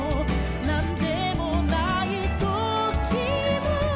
「なんでもないときも」